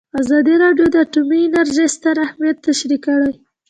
ازادي راډیو د اټومي انرژي ستر اهميت تشریح کړی.